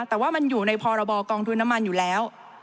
แต่ว่ามันอยู่ในพรบกองทุนน้ำมันอยู่แล้ว